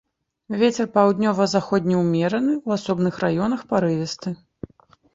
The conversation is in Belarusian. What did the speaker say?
Вецер паўднёва-заходні ўмераны, у асобных раёнах парывісты.